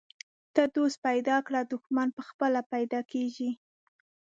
ته دوست پیدا کړه، دښمن پخپله پیدا کیږي.